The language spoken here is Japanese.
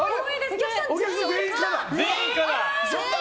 お客さん、全員可だ。